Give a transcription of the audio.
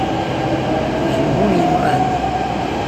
Gemmun yemɣan.